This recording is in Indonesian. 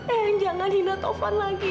ayang jangan hina tufan lagi ya